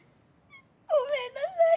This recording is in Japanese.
ごめんなさい。